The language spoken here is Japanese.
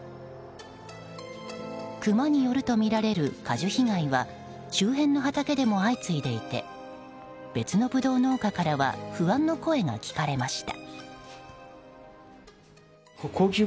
クマによるとみられる果樹被害は周辺の畑でも相次いでいて別のブドウ農家からは不安の声が聞かれました。